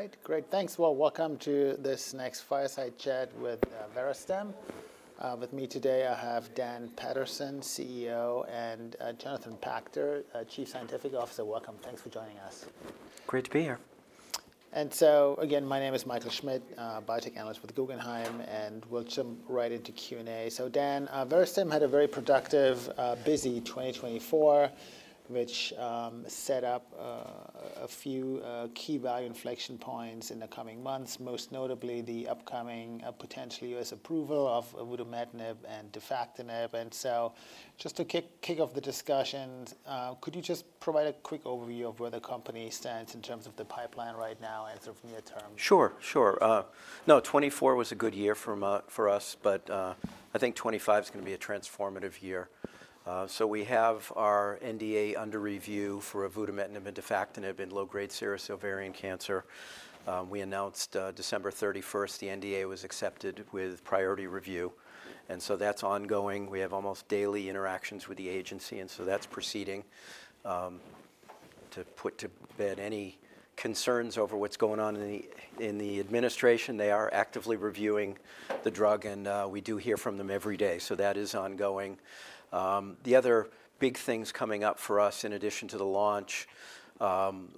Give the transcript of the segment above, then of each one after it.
All right, great. Thanks. Welcome to this next fireside chat with Verastem. With me today, I have Dan Paterson, CEO, and Jonathan Pachter, Chief Scientific Officer. Welcome. Thanks for joining us. Great to be here. And so again, my name is Michael Schmidt, Biotech Analyst with Guggenheim, and we'll jump right into Q&A. So Dan, Verastem had a very productive, busy 2024, which set up a few key value inflection points in the coming months, most notably the upcoming potential U.S. approval of avutometinib and defactinib. And so just to kick off the discussions, could you just provide a quick overview of where the company stands in terms of the pipeline right now and sort of near term? Sure, sure. No, 2024 was a good year for us, but I think 2025 is going to be a transformative year. So we have our NDA under review for avutometinib and defactinib in low-grade serous ovarian cancer. We announced December 31st the NDA was accepted with priority review. And so that's ongoing. We have almost daily interactions with the agency, and so that's proceeding to put to bed any concerns over what's going on in the administration. They are actively reviewing the drug, and we do hear from them every day. So that is ongoing. The other big things coming up for us, in addition to the launch,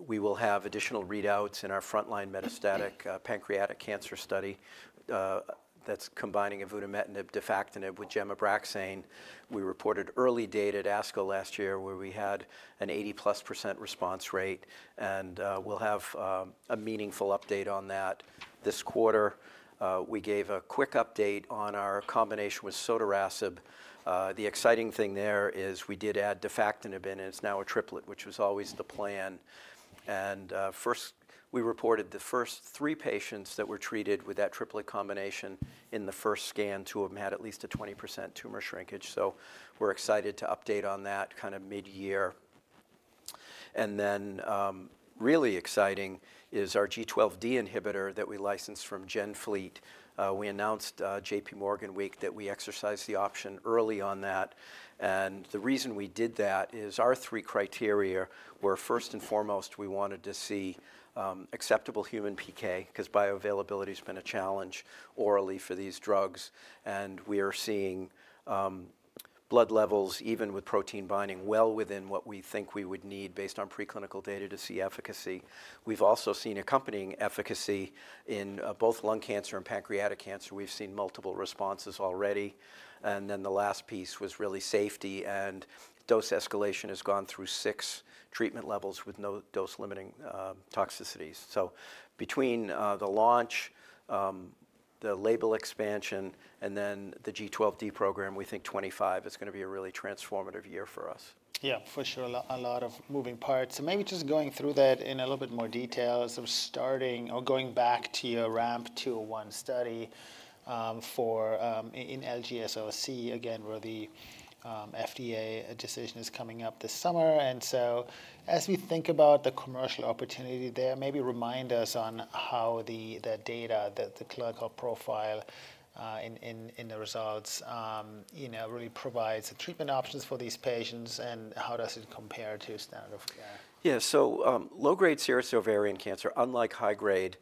we will have additional readouts in our frontline metastatic pancreatic cancer study that's combining avutometinib, defactinib with Gem/Abraxane. We reported early data at ASCO last year where we had an 80%+ response rate, and we'll have a meaningful update on that this quarter. We gave a quick update on our combination with sotorasib. The exciting thing there is we did add defactinib in, and it's now a triplet, which was always the plan. And first, we reported the first three patients that were treated with that triplet combination in the first scan to have had at least a 20% tumor shrinkage. So we're excited to update on that kind of mid-year. And then really exciting is our G12D inhibitor that we licensed from GenFleet. We announced JPMorgan Week that we exercised the option early on that. And the reason we did that is our three criteria were, first and foremost, we wanted to see acceptable human PK because bioavailability has been a challenge orally for these drugs. And we are seeing blood levels, even with protein binding, well within what we think we would need based on preclinical data to see efficacy. We've also seen accompanying efficacy in both lung cancer and pancreatic cancer. We've seen multiple responses already. And then the last piece was really safety, and dose escalation has gone through six treatment levels with no dose-limiting toxicities. So between the launch, the label expansion, and then the G12D program, we think 2025 is going to be a really transformative year for us. Yeah, for sure. A lot of moving parts. So maybe just going through that in a little bit more detail, sort of starting or going back to your RAMP 201 study in LGSOC, again, where the FDA decision is coming up this summer. And so as we think about the commercial opportunity there, maybe remind us on how the data, the clinical profile in the results, really provides the treatment options for these patients and how does it compare to standard of care. Yeah, so low-grade serous ovarian cancer, unlike high-grade,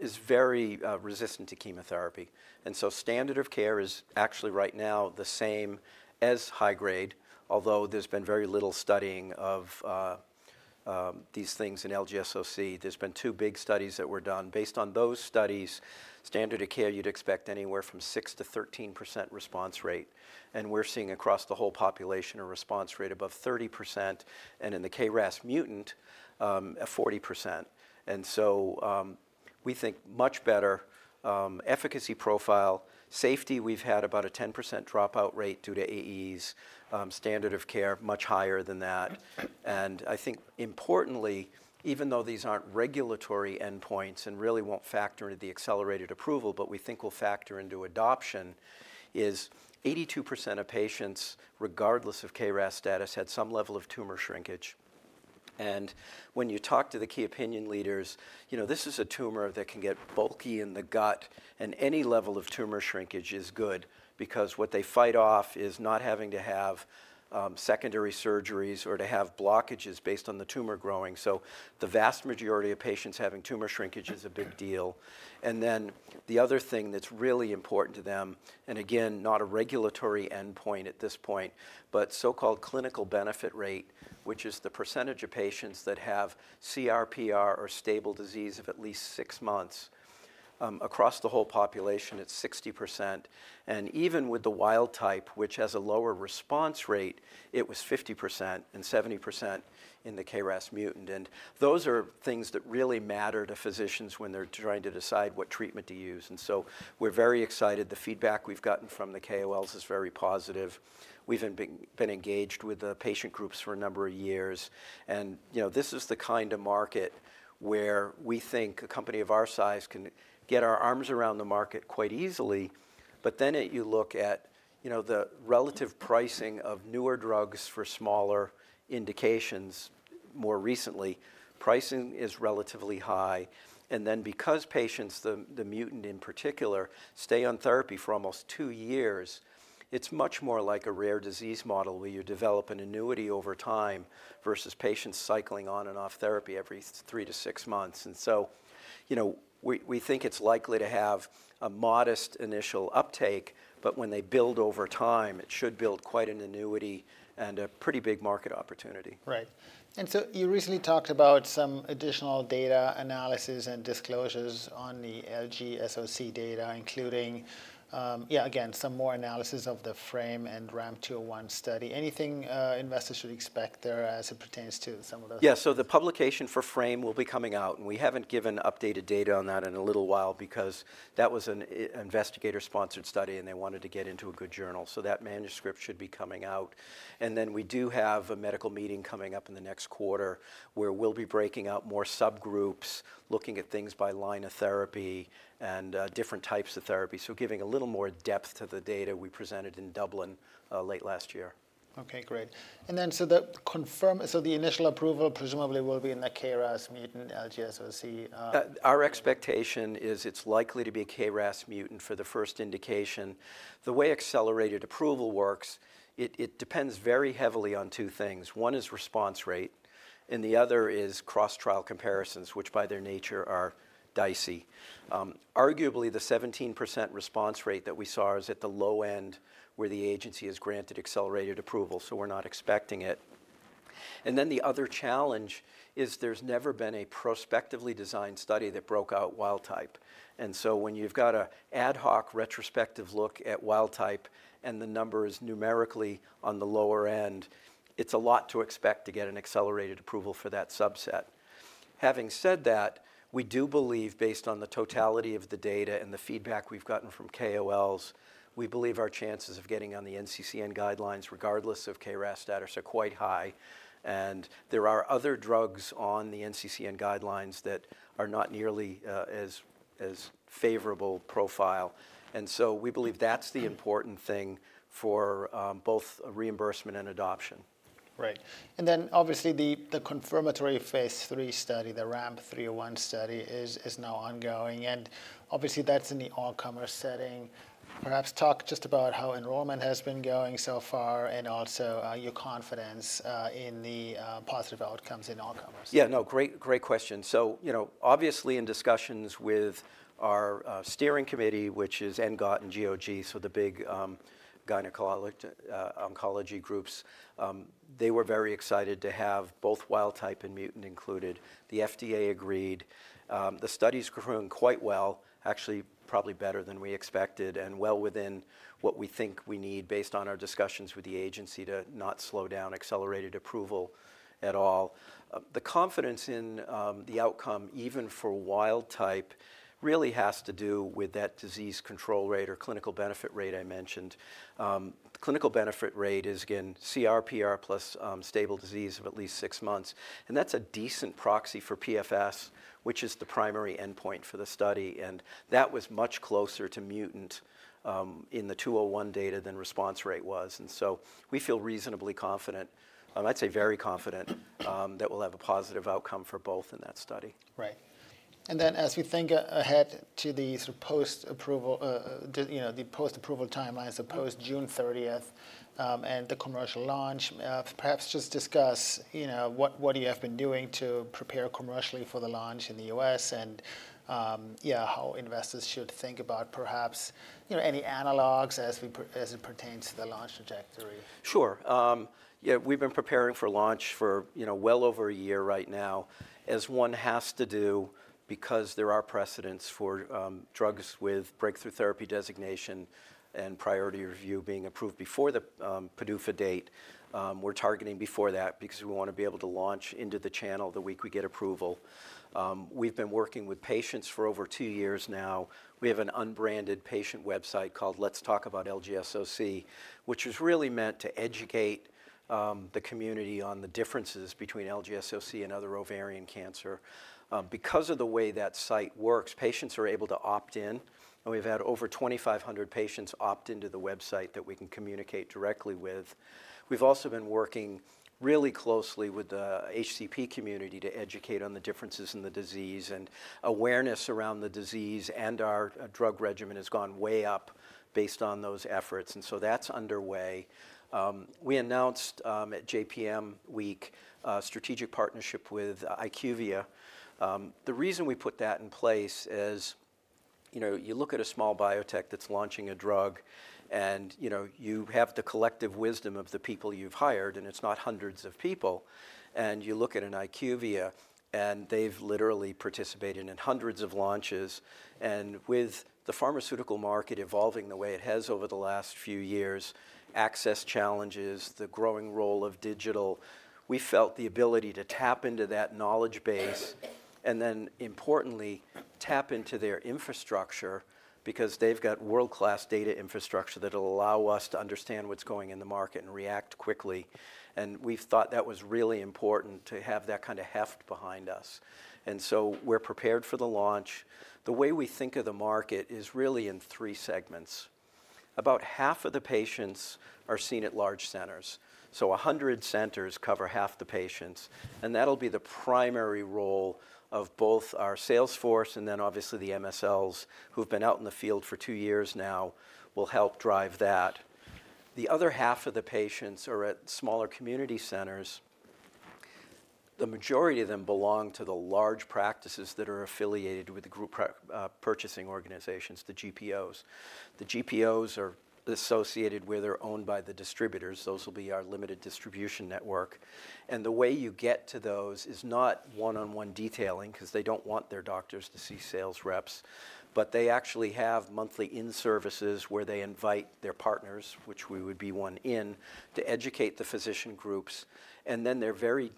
is very resistant to chemotherapy. And so standard of care is actually right now the same as high-grade, although there's been very little studying of these things in LGSOC. There's been two big studies that were done. Based on those studies, standard of care, you'd expect anywhere from 6%-13% response rate. And we're seeing across the whole population a response rate above 30%, and in the KRAS mutant, 40%. And so we think much better efficacy profile. Safety, we've had about a 10% dropout rate due to AEs. Standard of care, much higher than that. And I think importantly, even though these aren't regulatory endpoints and really won't factor into the accelerated approval, but we think will factor into adoption, is 82% of patients, regardless of KRAS status, had some level of tumor shrinkage. And when you talk to the key opinion leaders, you know this is a tumor that can get bulky in the gut, and any level of tumor shrinkage is good because what they fight off is not having to have secondary surgeries or to have blockages based on the tumor growing. So the vast majority of patients having tumor shrinkage is a big deal. And then the other thing that's really important to them, and again, not a regulatory endpoint at this point, but so-called clinical benefit rate, which is the percentage of patients that have CR/PR or stable disease of at least six months. Across the whole population, it's 60%. And even with the wild type, which has a lower response rate, it was 50% and 70% in the KRAS mutant. Those are things that really matter to physicians when they're trying to decide what treatment to use. So we're very excited. The feedback we've gotten from the KOLs is very positive. We've been engaged with the patient groups for a number of years. This is the kind of market where we think a company of our size can get our arms around the market quite easily. Then you look at the relative pricing of newer drugs for smaller indications more recently. Pricing is relatively high. Then because patients, the mutant in particular, stay on therapy for almost two years, it's much more like a rare disease model where you develop an annuity over time versus patients cycling on and off therapy every three months-six months. We think it's likely to have a modest initial uptake, but when they build over time, it should build quite an annuity and a pretty big market opportunity. Right. And so you recently talked about some additional data analysis and disclosures on the LGSOC data, including, yeah, again, some more analysis of the FRAME and RAMP 201 study. Anything investors should expect there as it pertains to some of those? Yeah, so the publication for FRAME will be coming out, and we haven't given updated data on that in a little while because that was an investigator-sponsored study, and they wanted to get into a good journal, so that manuscript should be coming out, and then we do have a medical meeting coming up in the next quarter where we'll be breaking out more subgroups looking at things by line of therapy and different types of therapy, so giving a little more depth to the data we presented in Dublin late last year. Okay, great. And then so the initial approval presumably will be in the KRAS mutant LGSOC. Our expectation is it's likely to be a KRAS mutant for the first indication. The way accelerated approval works, it depends very heavily on two things. One is response rate, and the other is cross-trial comparisons, which by their nature are dicey. Arguably, the 17% response rate that we saw is at the low end where the agency has granted accelerated approval, so we're not expecting it. And then the other challenge is there's never been a prospectively designed study that broke out wild type. And so when you've got an ad hoc retrospective look at wild type and the number is numerically on the lower end, it's a lot to expect to get an accelerated approval for that subset. Having said that, we do believe, based on the totality of the data and the feedback we've gotten from KOLs, we believe our chances of getting on the NCCN guidelines regardless of KRAS status are quite high, and there are other drugs on the NCCN guidelines that are not nearly as favorable profile, and so we believe that's the important thing for both reimbursement and adoption. Right. And then obviously the confirmatory phase III study, the RAMP 301 study is now ongoing. And obviously that's in the all-comers setting. Perhaps talk just about how enrollment has been going so far and also your confidence in the positive outcomes in all-comers. Yeah, no, great question. So obviously in discussions with our steering committee, which is ENGOT and GOG, so the big gynecology groups, they were very excited to have both wild type and mutant included. The FDA agreed. The studies grew quite well, actually probably better than we expected and well within what we think we need based on our discussions with the agency to not slow down accelerated approval at all. The confidence in the outcome, even for wild type, really has to do with that disease control rate or clinical benefit rate I mentioned. The clinical benefit rate is, again, CR/PR plus stable disease of at least six months. And that's a decent proxy for PFS, which is the primary endpoint for the study. And that was much closer to mutant in the 201 data than response rate was. And so we feel reasonably confident, I'd say very confident, that we'll have a positive outcome for both in that study. Right. And then as we think ahead to the post-approval timeline, suppose June 30th and the commercial launch, perhaps just discuss what you have been doing to prepare commercially for the launch in the U.S. and, yeah, how investors should think about perhaps any analogs as it pertains to the launch trajectory. Sure. Yeah, we've been preparing for launch for well over a year right now, as one has to do because there are precedents for drugs with breakthrough therapy designation and priority review being approved before the PDUFA date. We're targeting before that because we want to be able to launch into the channel the week we get approval. We've been working with patients for over two years now. We have an unbranded patient website called Let's Talk About LGSOC, which is really meant to educate the community on the differences between LGSOC and other ovarian cancer. Because of the way that site works, patients are able to opt in, and we've had over 2,500 patients opt into the website that we can communicate directly with. We've also been working really closely with the HCP community to educate on the differences in the disease, and awareness around the disease and our drug regimen has gone way up based on those efforts. And so that's underway. We announced at JPM Week a strategic partnership with IQVIA. The reason we put that in place is you look at a small biotech that's launching a drug, and you have the collective wisdom of the people you've hired, and it's not hundreds of people. And you look at an IQVIA, and they've literally participated in hundreds of launches. With the pharmaceutical market evolving the way it has over the last few years, access challenges, the growing role of digital, we felt the ability to tap into that knowledge base and then, importantly, tap into their infrastructure because they've got world-class data infrastructure that will allow us to understand what's going on in the market and react quickly. We've thought that was really important to have that kind of heft behind us. So we're prepared for the launch. The way we think of the market is really in three segments. About half of the patients are seen at large centers. So 100 centers cover half the patients. That'll be the primary role of both our sales force and then obviously the MSLs who've been out in the field for two years now will help drive that. The other half of the patients are at smaller community centers. The majority of them belong to the large practices that are affiliated with the group purchasing organizations, the GPOs. The GPOs are associated with or owned by the distributors. Those will be our limited distribution network. And the way you get to those is not one-on-one detailing because they don't want their doctors to see sales reps, but they actually have monthly in-services where they invite their partners, which we would be one in, to educate the physician groups. And then they're very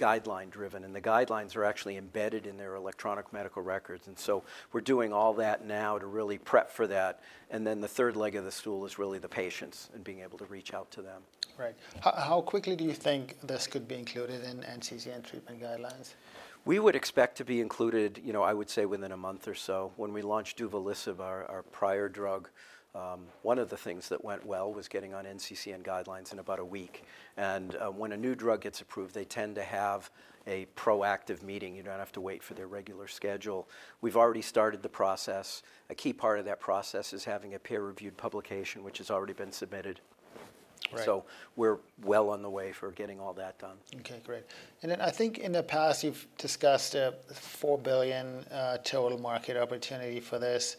guideline-driven, and the guidelines are actually embedded in their electronic medical records. And so we're doing all that now to really prep for that. And then the third leg of the stool is really the patients and being able to reach out to them. Right. How quickly do you think this could be included in NCCN treatment guidelines? We would expect to be included, I would say, within a month or so. When we launched duvelisib, our prior drug, one of the things that went well was getting on NCCN guidelines in about a week. And when a new drug gets approved, they tend to have a proactive meeting. You don't have to wait for their regular schedule. We've already started the process. A key part of that process is having a peer-reviewed publication, which has already been submitted. So we're well on the way for getting all that done. Okay, great. And then I think in the past you've discussed a $4 billion total market opportunity for this.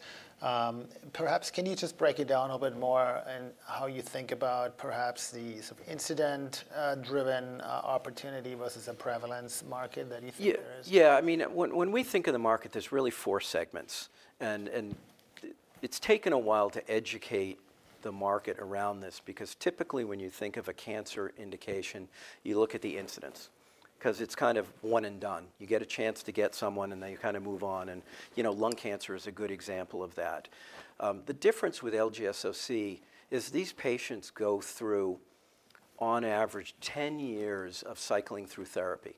Perhaps can you just break it down a little bit more and how you think about perhaps the incidence-driven opportunity versus a prevalence market that you think there is? Yeah, I mean, when we think of the market, there's really four segments. It's taken a while to educate the market around this because typically when you think of a cancer indication, you look at the incidence because it's kind of one and done. You get a chance to get someone, and then you kind of move on. Lung cancer is a good example of that. The difference with LGSOC is these patients go through, on average, 10 years of cycling through therapy.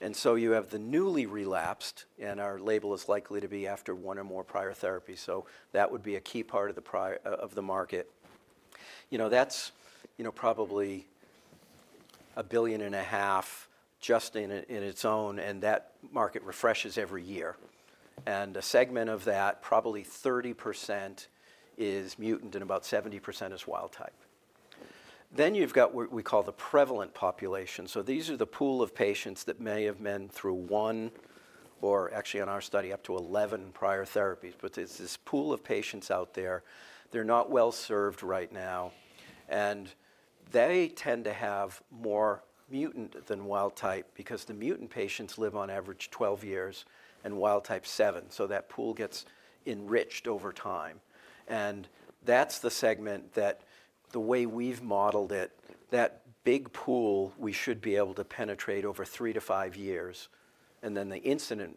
You have the newly relapsed, and our label is likely to be after one or more prior therapies. That would be a key part of the market. That's probably $1.5 billion just in its own, and that market refreshes every year. A segment of that, probably 30%, is mutant, and about 70% is wild type. Then you've got what we call the prevalent population. So these are the pool of patients that may have been through one or, actually, in our study, up to 11 prior therapies, but there's this pool of patients out there. They're not well served right now. And they tend to have more mutant than wild type because the mutant patients live on average 12 years and wild type seven. So that pool gets enriched over time. And that's the segment that, the way we've modeled it, that big pool we should be able to penetrate over three to five years. And then the incident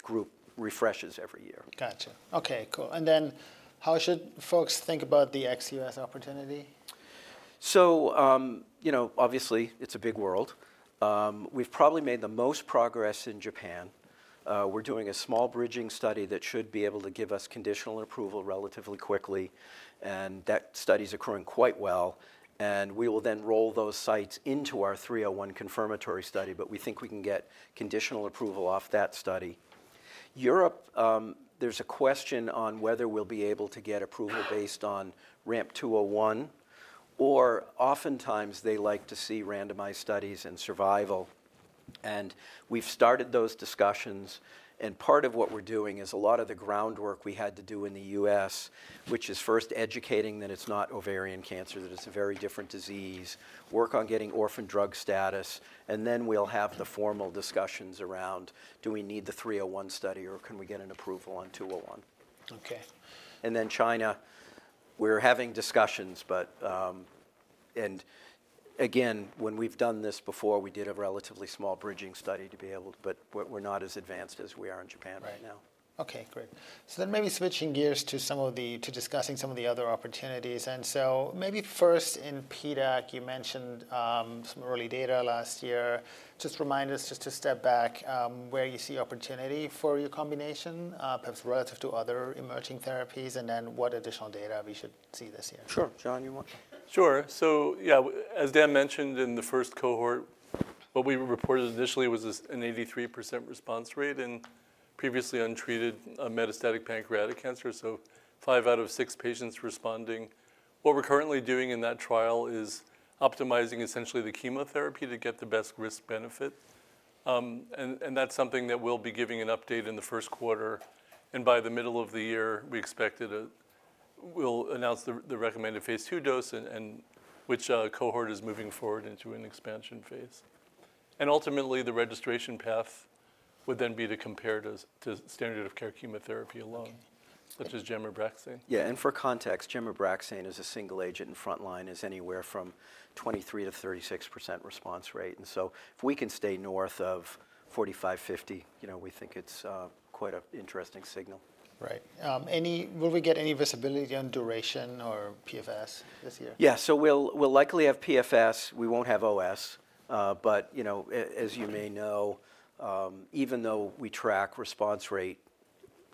group refreshes every year. Gotcha. Okay, cool. And then how should folks think about the ex-U.S. opportunity? Obviously it's a big world. We've probably made the most progress in Japan. We're doing a small bridging study that should be able to give us conditional approval relatively quickly. That study is occurring quite well. We will then roll those sites into our 301 confirmatory study, but we think we can get conditional approval off that study. Europe, there's a question on whether we'll be able to get approval based on RAMP 201, or oftentimes they like to see randomized studies and survival. We've started those discussions. Part of what we're doing is a lot of the groundwork we had to do in the U.S., which is first educating that it's not ovarian cancer, that it's a very different disease, work on getting orphan drug status. And then we'll have the formal discussions around, do we need the 301 study or can we get an approval on 201? Okay. And then China, we're having discussions, but and again, when we've done this before, we did a relatively small bridging study to be able, but we're not as advanced as we are in Japan right now. Okay, great, so then maybe switching gears to discussing some of the other opportunities, and so maybe first in PDAC, you mentioned some early data last year. Just remind us just to step back where you see opportunity for your combination, perhaps relative to other emerging therapies, and then what additional data we should see this year? Sure, John, you want to? Sure, so yeah, as Dan mentioned in the first cohort, what we reported initially was an 83% response rate in previously untreated metastatic pancreatic cancer, so five out of six patients responding. What we're currently doing in that trial is optimizing essentially the chemotherapy to get the best risk-benefit, and that's something that we'll be giving an update in the first quarter, and by the middle of the year, we expect it, we'll announce the recommended phase II dose, which cohort is moving forward into an expansion phase, and ultimately, the registration path would then be to compare to standard of care chemotherapy alone, such as Gem/Abraxane. Yeah, and for context, Gem/Abraxane is a single agent and frontline is anywhere from 23%-36% response rate. And so if we can stay north of 45%-50%, we think it's quite an interesting signal. Right. And, will we get any visibility on duration or PFS this year? Yeah, so we'll likely have PFS. We won't have OS. But as you may know, even though we track response rate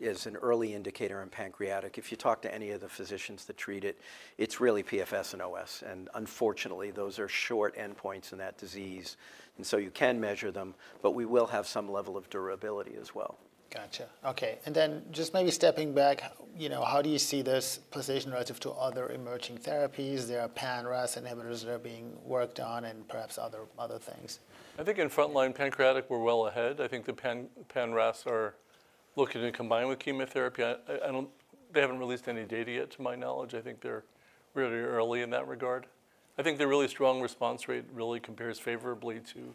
as an early indicator in pancreatic, if you talk to any of the physicians that treat it, it's really PFS and OS. And unfortunately, those are short endpoints in that disease. And so you can measure them, but we will have some level of durability as well. Gotcha. Okay. And then just maybe stepping back, how do you see this position relative to other emerging therapies? There are pan-RAS inhibitors that are being worked on and perhaps other things. I think in frontline pancreatic, we're well ahead. I think the pan-RAS are looking to combine with chemotherapy. They haven't released any data yet to my knowledge. I think they're really early in that regard. I think the really strong response rate really compares favorably to,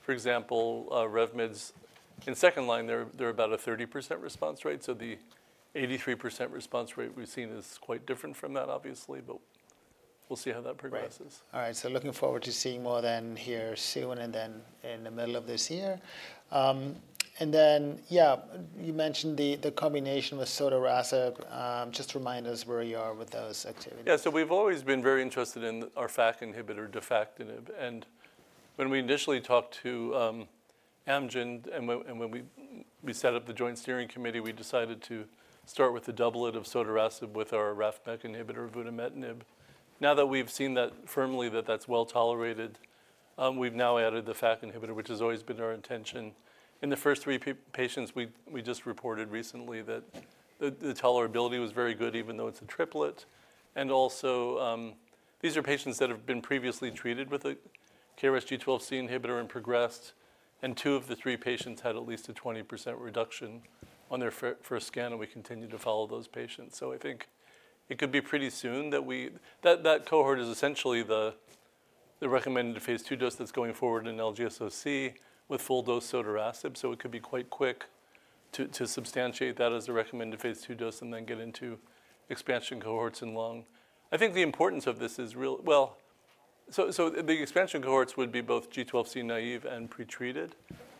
for example, RevMed's. In second line, they're about a 30% response rate. So the 83% response rate we've seen is quite different from that, obviously, but we'll see how that progresses. Right. All right, so looking forward to seeing more then here soon and then in the middle of this year. And then, yeah, you mentioned the combination with sotorasib. Just remind us where you are with those activities. Yeah, so we've always been very interested in our FAK inhibitor, defactinib. And when we initially talked to Amgen and when we set up the joint steering committee, we decided to start with a doublet of sotorasib with our RAF/MEK inhibitor, avutometinib. Now that we've seen that firmly that that's well tolerated, we've now added the FAK inhibitor, which has always been our intention. In the first three patients, we just reported recently that the tolerability was very good, even though it's a triplet. And also, these are patients that have been previously treated with a KRAS G12C inhibitor and progressed. And two of the three patients had at least a 20% reduction on their first scan, and we continue to follow those patients. I think it could be pretty soon that cohort is essentially the recommended phase II dose that's going forward in LGSOC with full dose sotorasib. It could be quite quick to substantiate that as a recommended phase II dose and then get into expansion cohorts in lung. I think the importance of this is really, well, so the expansion cohorts would be both G12C naive and pretreated.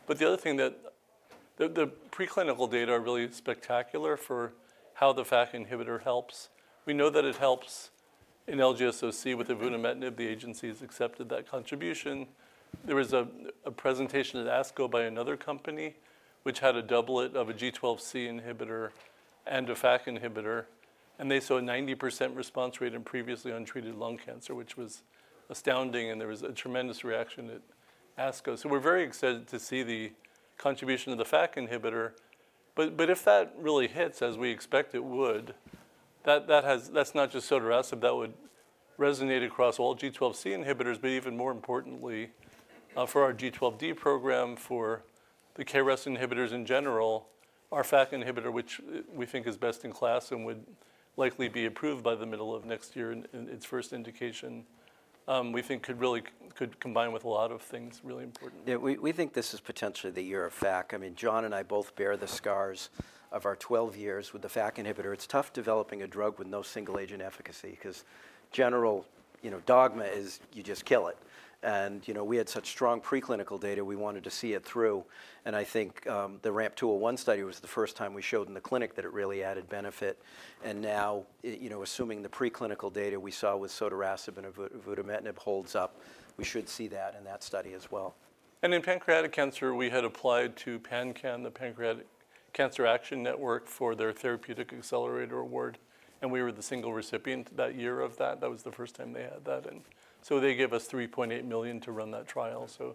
But the other thing that the preclinical data are really spectacular for how the FAK inhibitor helps. We know that it helps in LGSOC with the avutometinib. The agency has accepted that contribution. There was a presentation at ASCO by another company, which had a doublet of a G12C inhibitor and a FAK inhibitor, and they saw a 90% response rate in previously untreated lung cancer, which was astounding, and there was a tremendous reaction at ASCO. So we're very excited to see the contribution of the FAK inhibitor. But if that really hits, as we expect it would, that's not just sotorasib. That would resonate across all G12C inhibitors, but even more importantly, for our G12D program, for the KRAS inhibitors in general, our FAK inhibitor, which we think is best in class and would likely be approved by the middle of next year in its first indication, we think could really combine with a lot of things really important. Yeah, we think this is potentially the year of FAK. I mean, John and I both bear the scars of our 12 years with the FAK inhibitor. It's tough developing a drug with no single agent efficacy because general dogma is you just kill it. And we had such strong preclinical data, we wanted to see it through. And I think the RAMP 201 study was the first time we showed in the clinic that it really added benefit. And now, assuming the preclinical data we saw with sotorasib and avutometinib holds up, we should see that in that study as well. And in pancreatic cancer, we had applied to PanCAN, the Pancreatic Cancer Action Network, for their Therapeutic Accelerator Award. And we were the single recipient that year of that. That was the first time they had that. And so they gave us $3.8 million to run that trial. So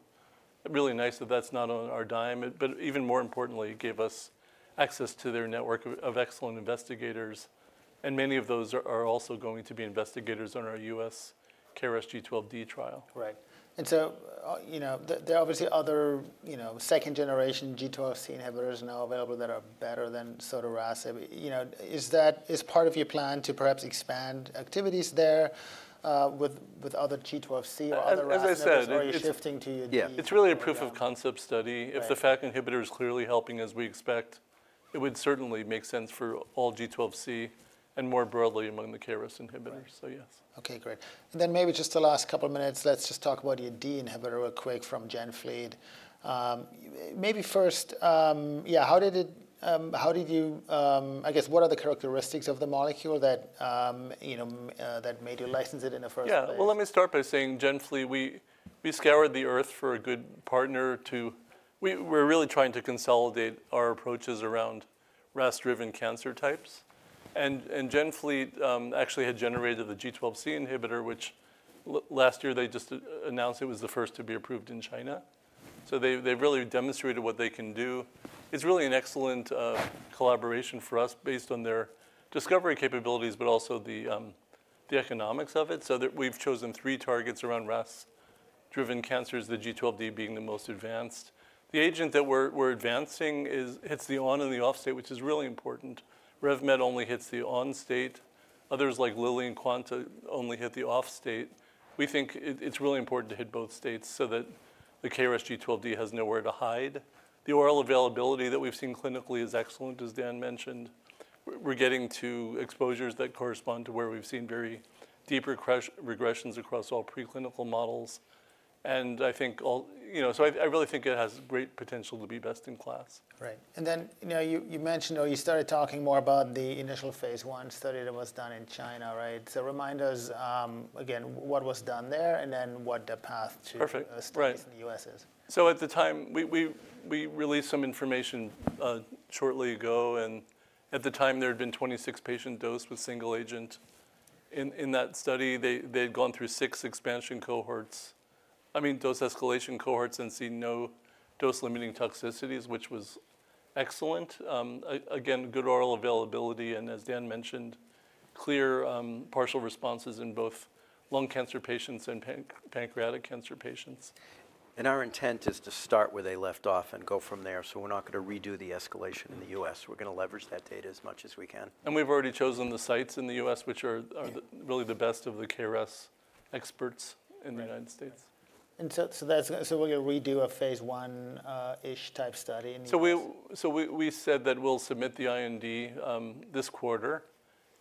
really nice that that's not on our dime, but even more importantly, gave us access to their network of excellent investigators. And many of those are also going to be investigators on our U.S. KRAS G12D trial. Right. And so there are obviously other second generation G12C inhibitors now available that are better than sotorasib. Is that part of your plan to perhaps expand activities there with other G12C or other RAS inhibitors? As I said, it's really a proof of concept study. If the FAK inhibitor is clearly helping as we expect, it would certainly make sense for all G12C and more broadly among the KRAS inhibitors. So yes. Okay, great, and then maybe just the last couple of minutes, let's just talk about your D inhibitor real quick from GenFleet. Maybe first, yeah, how did you, I guess, what are the characteristics of the molecule that made you license it in the first place? Yeah, well, let me start by saying GenFleet, we scoured the earth for a good partner to, we're really trying to consolidate our approaches around RAS-driven cancer types. And GenFleet actually had generated the G12C inhibitor, which last year they just announced it was the first to be approved in China. So they've really demonstrated what they can do. It's really an excellent collaboration for us based on their discovery capabilities, but also the economics of it. So we've chosen three targets around RAS-driven cancers, the G12D being the most advanced. The agent that we're advancing hits the on and the off state, which is really important. RevMed only hits the on state. Others like Lilly and Quanta only hit the off state. We think it's really important to hit both states so that the KRAS G12D has nowhere to hide. The oral availability that we've seen clinically is excellent, as Dan mentioned. We're getting to exposures that correspond to where we've seen very deep regressions across all preclinical models. And I think, so I really think it has great potential to be best in class. Right, and then you mentioned, or you started talking more about the initial phase I study that was done in China, right, so remind us again, what was done there and then what the path to the U.S. is. Perfect. So at the time, we released some information shortly ago. And at the time, there had been 26 patient doses with single agent in that study. They had gone through six expansion cohorts, I mean, dose escalation cohorts and seen no dose limiting toxicities, which was excellent. Again, good oral availability and, as Dan mentioned, clear partial responses in both lung cancer patients and pancreatic cancer patients. Our intent is to start where they left off and go from there. We're not going to redo the escalation in the U.S. We're going to leverage that data as much as we can. We've already chosen the sites in the U.S., which are really the best of the KRAS experts in the United States. And so that's, so we're going to redo a phase I-ish type study. So we said that we'll submit the IND this quarter,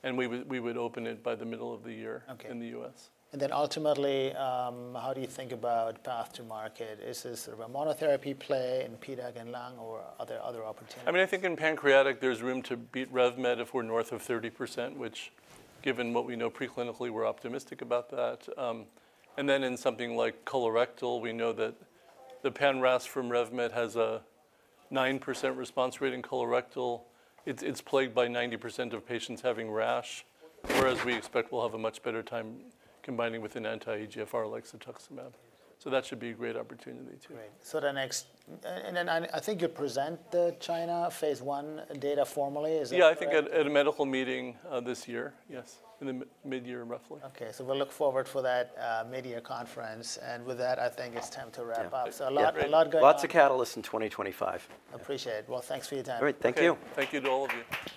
and we would open it by the middle of the year in the U.S. Then ultimately, how do you think about path to market? Is this sort of a monotherapy play in PDAC and lung or are there other opportunities? I mean, I think in pancreatic, there's room to beat RevMed if we're north of 30%, which given what we know preclinically, we're optimistic about that. And then in something like colorectal, we know that the pan-RAS from RevMed has a 9% response rate in colorectal. It's plagued by 90% of patients having rash, whereas we expect we'll have a much better time combining with an anti-EGFR like cetuximab. So that should be a great opportunity too. Right. So the next, and then I think you presented China phase I data formally. Yeah, I think at a medical meeting this year, yes, in the mid-year roughly. Okay. So we'll look forward for that mid-year conference. And with that, I think it's time to wrap up. So a lot going on. Lots of catalysts in 2025. Appreciate it. Well, thanks for your time. All right. Thank you. Thank you to all of you.